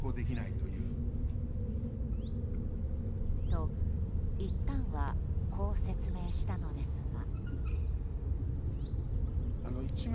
と、いったんはこう説明したのですが。